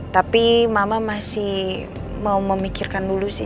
tapi mama masih mau memikirkan dulu sih